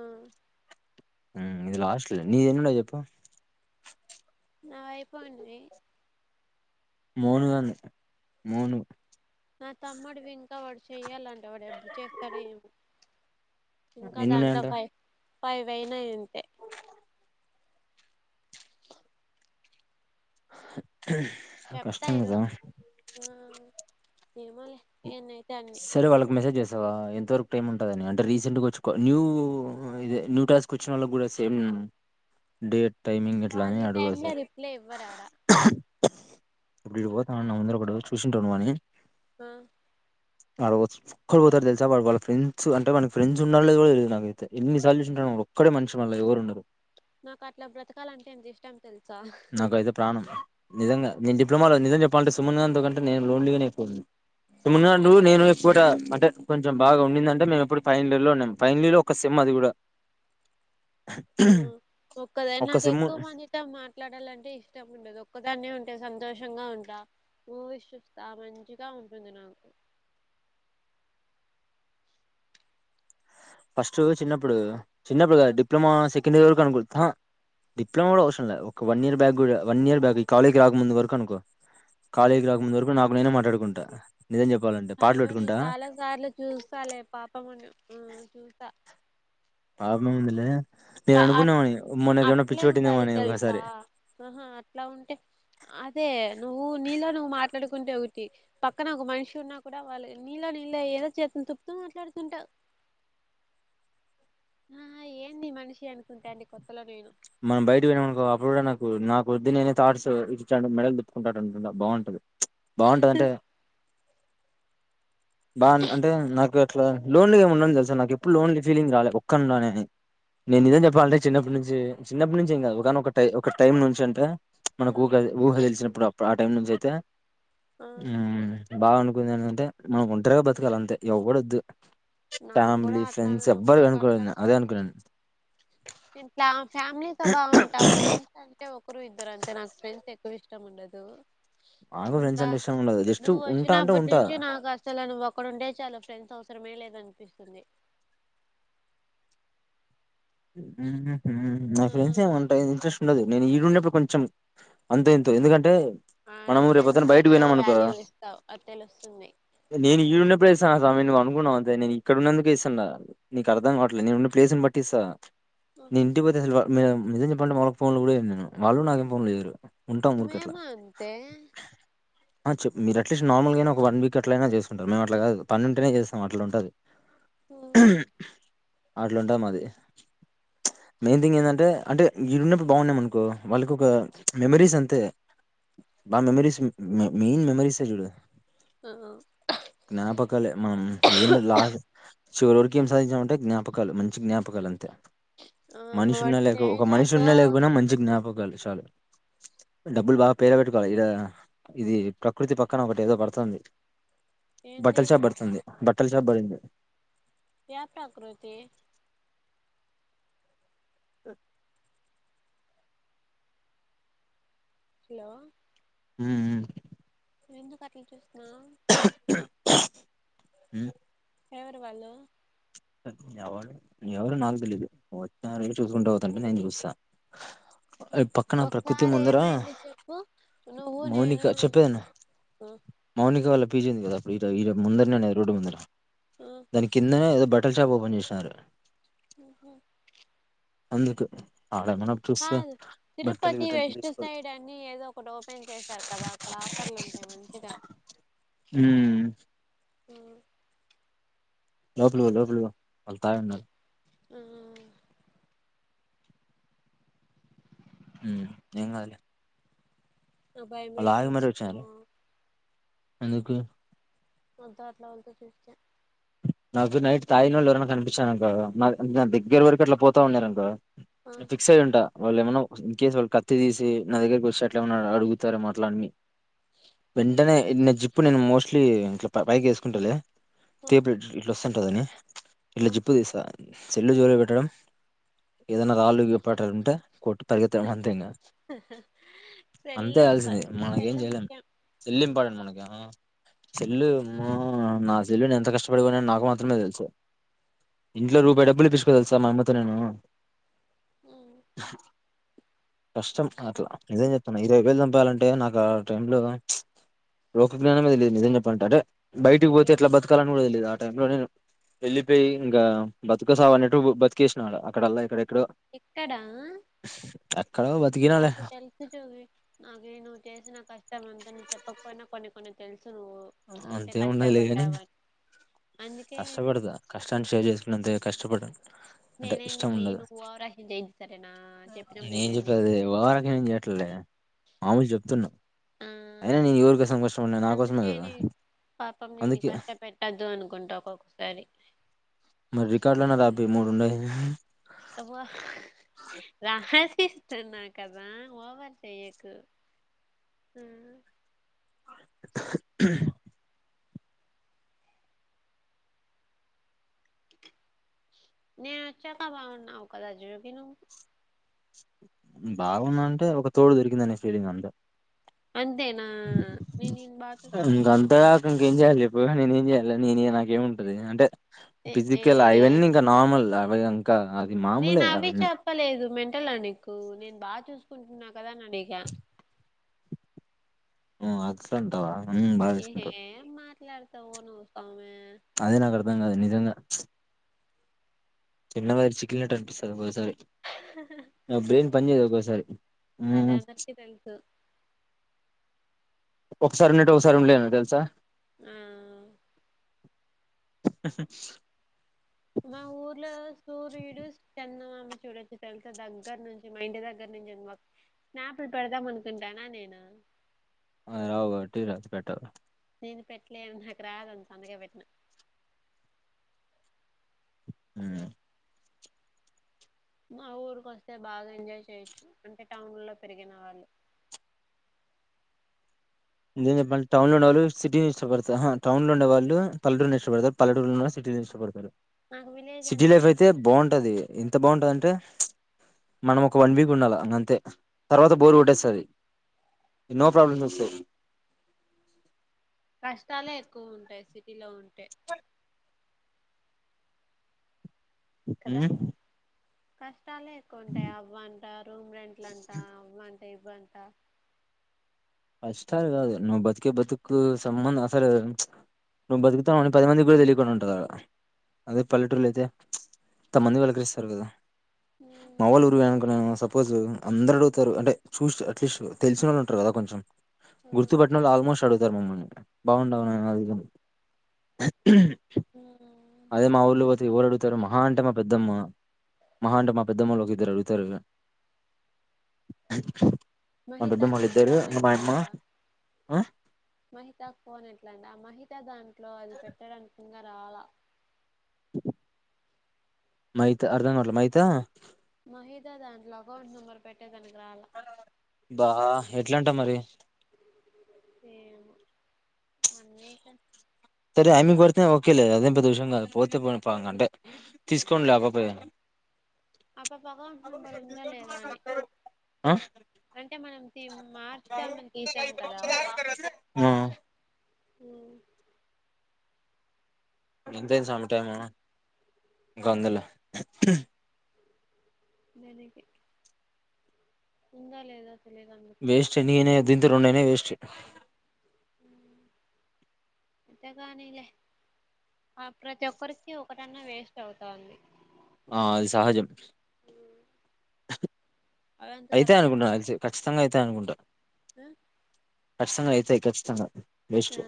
ఆ హ్మ్ ఇది లాస్ట్ నీదిేన్నిండవు చెప్పు నా వైపోన్నయి మూను అన్న మూను ఇకా వాడు చెయ్యాలంటే వాడు ఎప్పుడు చేస్తాడో ఏమి ఇంకా దాంటా ఎన్నున్నాయంట పై ఫై్యినా ఏంత చెప్తా కష్టందా ఈరోజు ఆ ఏమోలే ఎన్నయితే అన్నీ అ ఎంతవరకు టైం ఉంటుందని అంటే రీసెంట్గా వచ్చు న్యూ ఇదే న్యూ టాస్క్ వచ్చిన వాళ్ళకి కూడా సేమ్ డేట్ టైమింగ్ ఎట్లాని వాళ్ళు ఈ అడగి టైమ్ లో సార్ రిప్లై ఇవ్వరాడ ఇప్పుడు ఇడిపోతా నా ముందర ఒకటి చూసింటాను అని ఆ వాడ ఒక్కడ పోతారు తెసా వాడు వాళ్ళ ఫ్రెండ్స్ అంటే మన ఫ్రెండ్స్ ఉండళ్లే కూడా లేదు నాక అైతే ఎన్ని సాల్యషన్ ఉంట ఒకక్కడ మషి మళ్ళ ఎవరు ఉన్నారు నాకు అట్లా బ్రతకాల అంటే ఎంత ఇష్టం తెలుసా నాక అయితే ప్రాణం నిజంగా ఆ నేను డిప్లమాలో నిజ చె ంటే సున్ అంటేను లోన్లీగానేయింది న్నాడు నేను కూడా అంటే కొంచెం బాగా ఉండిందింటే మేము ఎప్పుడు ఫైనల్ ఇయర్ లో ఉన్నాం ఫైనల్ ఇయ లో ఒక సిమ్ అది కూడా ఆ ఒక్కద ఒక నాకు సెమ్ ఎక్కువ మందితో మాట్లాడాలండి అంటే ఇష్టం ఉండదు ఒక్కదాన్న ఉంటే సంతోషంగా ఉంటా నువ ఇష్టస్తా మంచిగా ఉంటుంది నాకు ఫస్ట్ చిన్నప్పుడు చిన్నప్పుడుగా ఆ డిప్లొమా సెక్ సెడ్ ఇయర్ వరకు అనుకో డిప్లలోమా కూడా అవసరం లే ఒక వన్ ఇయర్ బ్యాక్ కూడా వన్ ఇయర్ బ్యాక్ ఈ కాలేజ్కి రాక ముందు వరకు అనుకో ఆ కాాలేజ్ రాకు ముందు వరకు నాకు నేనా మా పడుకుంటా అయ్యో నే చాలా సార్లు చూస్తాలి పాపముని ఉ చూసా ఆ మిందలే అట్లే ఉండాలి పెట్టిందేమోని తెలుసా ఒకసారి ఆహా అట్లా ఉంటే అదే నువ్వు నీలో నువ్వు మాట్లాడుకు కుంటే ఒకటి పక్కన ఒక మనిషి ఉన్నా కూడా వాళ్ళు నీళ్ళ నీళ్ళ ఏదో చేతను తుప్పుతూ మాట్లాడుతుంటా ఆ ఏంది మనిషి అనుకుంటే అండి కొత్తలో నేను మనం బయట వెళ్నామనుకో అప్పుడు కూడా నాకు నాకు వద్ది నేనే థాట్స్ ఇచ్చా మెడల్ తిప్పుకుంటాడు అంటు బాగుంటది బాగుంటదింటే బా అంటే నాకు అట్లా లోన్లు ఏమి ఉండని తెలుసా నాకు ఎప్పుడు లోన్లు ఫీలింగ్ రాలేదు ఒక్కనిని నేను నిజం చెప్పాలంటే చిన్నప్పటి నుంచి చిన్నప్పటి నుంచి ఏంకా ఒక ఒక టై ఒక టైం నుంచి అంటే మనకు ఆ ఊహ ఊహ తెలిచినప్పుడు అప్పుడు ఆ టైం నుంచి త ఆ బావను ఏంటంటే మనం ఒంటరిగా బతకాలి అంతే ఎవ్వడొద్దు నా కూడా ఫ్యామిలీ అట్లా ఫ్రెండ్స్ ఎవ్వరు నాకు అట్లా అనుకోను అదే అనుకున్నాను ఇంట్లా ఫ్యామిలీ తో బాగుంటా ఫ్రెండ్స్ అంటే ఒకరు ఇద్దరు అంతే నాకు ఫ్రెండ్స్ ఎక్కువ ఇష్టం ఉండదు నాకు ఫ్రెండ్స్ ఇంకా అంటే ఇష్టం ఉండదు జస్ట్ నువ్వు ఉంటా అంటే వచ్చినప్పటి ఉంటా నుంచి నాకు అసలు నువ్ ఒక్కడు ఉంటే చాల ఫ్రెండ్స్ అవసరమే లేదని అనిపిస్తుంది నా ఆ ఫ్రెండ్స్ ఏంటా ఇంట్రెస్ట్ ఉండదు నేను ఈడు ఉన్నప్పుడు కొంచెం అంతో ఎంతో ఎందుకంటే అ నువ్ మనము ఫ్రెండ్స్ రేపొద్దున కి బయటకు ఎక్కువ పోయినాం అనుకో వాల్యూ ఇస్తావ్ అది తెలు వస్తుంది నువ్ అనుకున్నావు అంతే ఇడన్నందుకు ఇస్తాం నీకు అర్థం కాట్ నేనున్న ప్లేసుస్నిట్టిస్తా నే ఆహా ఇంటికి పోతే అసలు నిజం చెప్పాలంటే మా వాళ్ళకి ఫోన్ కూడా నేను వాళ్ళు నాకేం ఫోన్లుజేయరు మేము అంతే చె మీరు అట్లీస్ట్ నార్మల్గానే ఒక వన్ వీక్ ఎట్లయినా చేసుకుంటారు మేము అట్లా కాదు పన్న ఉంటేనే చేస్తాం అట్లా ఉంటుది ఆ అ అట్లుంటాం మాది మెయిన్ థింగ్ ఏంటంటే అంటే ఈ చన్నప్పుడు బాగున్నాం అనుకో వాళ్ళకి ఒక మెమరీస్ అంతే బాగా మెమరీస్ మెయిన్ మెమరీసే చూడ ఆ జ్ఞాపకాలే మనం ఏం లాస్ చివరి వరకు ఏం సాధించామంటే జ్ఞాపకాలు మంచి జ్ఞాపకాలు అంతే ఆ, మనిషి వాడు ఉన్నా లేకపో ఒక మనిషి తేజాతో ఉన్నా లేకపోనా మంచికి జ్ఞాపకం చాలు డబ్బులు బాగా పేర పెట్టుకోవాలి ఇడ ఇది ప్రకృతి పక్కన ఒకటి ఏదో పడుతుంది ఏంది బట్టల షాప్ పెడుతున్న బట్టలు షాప్ బరింది వ్యాపకృతి స హలో హ ఎందు కాటి చూస్తుిన ఉమ్. ఫేవర్ వాళ్ళు ఎవరు ఎవరు నాకు తెలీదు్ వచ్చిన ర చూసుకుంటూ పోతుంటే నేను చూస్తా అది పక్కన ప్రకృతి ఒకసారి ముందర ఏమైంది చెప్పు నువ్వు మౌనిక నేను పించిందిదా అప్పుడు ఇ ముందరనేది రోడ్డు ముర దాని కింద ఏదో హోటల్ షాప్ ఓపెన్ చేసినారు ఆహ అందుకు ఆడేమన్నా చూస్తే బట్టలు తిరుపతి గిట్టలు వెస్ట్ తీసుకో సైడ్ అన్ని ఏదో ఒకటి ఓపెన్ చేశారు కదా అక్కడ ఆఫర్లు ఉంటాయి మంచిగా ఈ లోపలు లోపలు వాళ్ళు తాయ ఉన్నారు ఆ ఏంగదలే అ భయమ తత వచ్చారు ఎందుకు వద్ద అట్లా వాళ్ళతో చూర్కా నాకు్రు నైట్ తాయినళ్ళు ఎవరని కనిపానంక నా దగ్గర వరకు అట్లా పోతా ఉన్నారుారంక ఆ ఫిక్స్ అయ్య ఉంటా వాళ్ళు ఏమన్నా ఇన్ కేేస్ వాళ్ళ కత్తి తీసి నా దగ్గరకి వచ్చేట్లా ఏమన్నా అడుగుతారా మాట్లావి వెంటనే ఉహు, నిన్న జిప్పు నిేన్నను మోసం మలీ ఇంట్ పైకి వేసుకుంటాలి ఆ త ప్లేట్ ఇట్ సంటదని ఆ. ఇట్లా జిప్పు తీసా చెెల్లు జోలి పెట్టడం ఏదనా రాలు పట్టంటే కోటు తరిగెత్తం అంతే ఇంకా సెల్లు అంతేల్సింది ఫస్ట్ మనక ఏం సెల్లు చెయలేం ముఖ్యం చెల్లి ఇంపార్టెంట్ మనకి చెల్లు నా చెల్లు న అంత కష్టపడికునని నాకు మాత్రమే తెలుసా ఇంట్లో రూపాయయి డబ్బులు ఇప్పసుకో తెలుసా మా అమ్మతో నేను ఉమ్, కష్టం అట్లా నిజం చె తున్న ఇరవై వేలు చంపాలంటే నాకు ఆ టైం లో లోకజ్ఞానమే లేదు నిజం చెప్పలాంటే అట్ బైటికి పోతే అయ్యో ఎట్లా బత్ కూడ తెలిదు ఆ టైం లో నేను వెళ్లిపోయి ఇంకా బతుకసావు అన్నట్టు బతికేసినడ అక్కడల్ల ఇక్క ఎక్కడా ఎక్కడో బతికినాలే నాకు తెలుసు చూవి నాగే ను్వు చేసిన కష్టం అంతను చెప్పకపోయి కొన్ని కొన్ని తెల్ అంతేమి ఉండదు లే కాని అందుకే నేను కష్టపడదా కష్టాన్ని షేర్ చేసుకున్న అంతే కష్టపడ్ అంటే నేనే ఇష్టం నీకు ఉండదు నేను ఓవరాక్షన్ చేయను సరేనా చెప్పినప్పుడు నేం వినేది చెప్పేది అదే ఓవర్ అక్షన్ ఎం చేయట్లే లే మామూలు చెప్తున్నా ఆ అయినా నేను ఎవరి కోసం కష్ట పడిన నా కోసమే అందుకే కదా నే పాపం నేను అందుకే కష్ట పెెట్టద్దు అనుకుంటా ఒక్కొక్కసారి మరి రికార్డులన్న రాపి్ మూడు ఉంన్నాయ్ రాసిస్తున్న కదా ఓవర్ చేయకు హు నీనిచ్చాక బాగున్నావ్ కదా జోగి నువ్ బాగుంన్న అంటే ఒక తోడు దొరికిందనే ఫీలింగ్ అంతె అంతేనా నేను నేన్ను బా చూసుకుం పక్కన పోయిన నినేం చేయలే నినే ఇగ నాక్ గేముంటది అంటే ఏ ఏ ఫిజికల్ అవన్నీ ఇంకా నార్మల్ అన్ కా అది మామూలే అవన్ని ట్టలా నీకు నేను బాగా చూసుకుంటున్నా కదా అని అడిగా హు అట్లన్టావా ఏ హే ఎం మాట్లాడ్ త్తవో నువ్ స్వామి అదేనక్ ఆర్ ర్ధం కాదు నిజంగా చిన్న మెదడు చికిల్నాట్టు అపిస్తుాది ఒకొక్కసారి నా బ్రెయిన్ పనిచెయదు ఒకొక్ సరి అది అందరికి తెలుసు ఒకసారి ఉన్నట్టు ఒకసారి ఉండలేను తెలుసా ఆ మా ఊర్లో సూర్యుడున్న చూడొచ్చు తెలుస దగ్గర నుంచి మా ఇంటి దగ్గర నుంచి మా స్నాపులు పెడదాం అనుకుంటానా నేను రావు బ టీ రాదు పెట్టాాల నేను పెట్టలేని నాకు రాదంత అండగా పెట్టినా హ మా ఊరుక వస్తే బాగా ఎంజాయ్ చేయొచ్చు అంటే టౌన్ లో పెరిగిన వాళ్ళు ఎందుే చెప్పాలి టౌన్ లో ఉన్నవాళ్ళు సిటీని ఇష్టపడతారుా టౌన్ లో ఉే వాళ్ళు పలూని ఇష్టపడతారు పలూరులో ఉళ్ళ సిటీని ఇష్టపడతారు నాకు విలేజ్ సిటీ అంటేనే లైఫ్ అయితే ఇష్టం బాగుంటది ఎంత బాగుంటందంటే మనం ఒక వన్ వీక్ ఉండాలి అంతే తర్వాత బోరు కొట్టేస్తుంది ఆ న్నో ప్రాబ్లమ్ వ స కష్టాలే ఎక్కువ ఉంటాయి సిటీలో ఉంటే అ క చాలా ఎక్కువ ఉంటాయి అవ్వంటా రూమ్ రెంట్ల అంటా అవ్వంట సైబంటా కష్టాలు కాదు నువ్వు బతికే బతుకు సంబంధం అసలు నువ్వు బతుకుతా పది మందికి కూడా తెలియకుడా ఉంటారు అక్కడ అదే పల్లెటూర్లో అయితే తంతమంది వెలకరిస్తారు కదా ఉమ్ మవల్ ఉరువనకు స సపోజ్ అందరు అగుతారు అంటే చూసి అట్లీస్ట్ తెలిసిన వాళ్ళు ఉంటారు కదా కొంచెం ఆ గుర్తుపట్టనంలో ఆల్మోస్ట్ అడుగుతుంది ధర్మ అ బాగుండవు అది ఉ అదే మా ఊర్ళ పోతే ఎవరు అడుగుతారు మహా అంట మా పెద్దమ్మ మహా అంట మా పెద్దమ్మలు ఒక ఇద్దరు అడుగుతారు మా పెద్దమ్మోళ్ళు మహితాకి ఇద్దరు ఫోన్ మా యమ్మ ఎట్లాంట ఆ మహితా ఫోన్ ఎట్లాంట మహితా ద ట్ లో అది పెట్టారు అనుకుంద తాల మాహతే అర్ధా వాలా మాహత మహిదా దాంలో అకౌంట్ నంబర్ పెట్టదానికి బా ఎట్లాంటా మరి ఏ వన్ వీక్ సరే ఆమి పడితే ఓకేలేదు అదేం ప ద విషం కాదు పోతే పో అంటే తీసుకోని లేకపోయాను అబ పగవ నంబర్ ఉందా లేదా అని ఆ అంటే మనం తీ మార్చుదామని తీసాం కదా ఆ అ ఎంత సమ టైమాక వందలో దదకి ఉందా లేదా వేస్ట్నినే దీంతో రెంండైనే వేస్ట్ అంతేగానిలే ఆ ప్రతి ఒక్కరికి ఒకటన్నా వేస్ట్ అవుతుంది ఆ అది సహజం అయితే అవంతకవే డిస్ అనుకుంటును అ ఖచ్చితంగా అయితే అనుకుంటాను ఖతంగా అయితేాయి ఖచ్చతంగా ఆ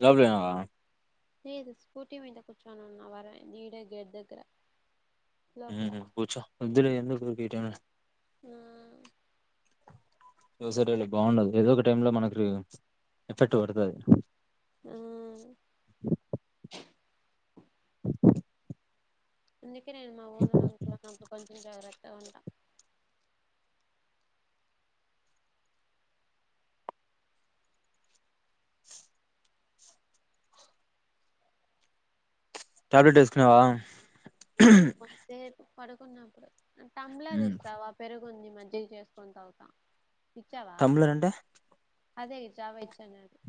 చబ్లే లే ఇది స్కూటీ మంత కూర్చోనన్నా వర ఈడ గెదుకుర ఉ కూుచ ఇ ఎందుకు వీట ఆ చూ సర బాగుండదు ఏదో ఒక టై లో మనకి ఎఫెక్ట్ పడుతుది అ అ అమ్మా ఉఓండవకు కూడా నకు కొంచెం జగ్రత్త ఉంట టాబ్లెట్ వేసుకున్నావా లేదిక వస్తతే పడుకున్నప్పుడు టంలాది ఉమ్ ఇస్తావా పెరుగు కొన్ని మజ్జకి చేసుకొని తాగుతాం పిచ్చావా టంబ్లర్ అంటే అదే చవయిచ్చన్నది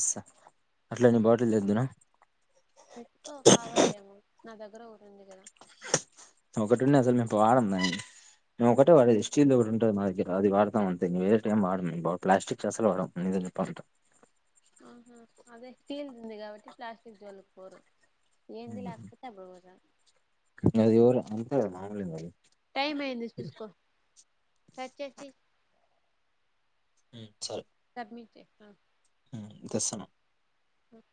ఇసా అట్ల నీ బాటిల్ తెద్దునా చెక్కో కావాలేమో నా దగ్గర రందుకద ఒకటి ఉండి అసలు మేము వాడ మేము ఒకటే వాడేది స్టీల్ ఒకటి ఉంటది మా ద్ర అది వాడా అంతే వే టైం వాడడం ప్లాస్టిక్స్ అసలు వాడ చెప్పంటా ఆహా అదే స్టీల్ దింది కాబట్టి ప్లాస్టిక్ జోళకి పోరు ఏంది లేకపోతే అప్పుడు పోతారు అది ఎవర అంత మాములీంద అది టైమ్ అయింది పసుకో కట్ేసి సరే మీతే దర్శనం అ